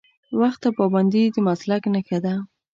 وخت ته پابندي د مسلک نښه ده.